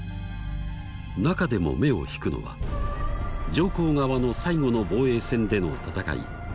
中でも目を引くのは上皇側の最後の防衛戦での戦い